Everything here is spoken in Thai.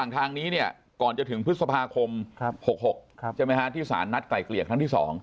ทางนี้เนี่ยก่อนจะถึงพฤษภาคม๖๖ใช่ไหมฮะที่สารนัดไกลเกลี่ยครั้งที่๒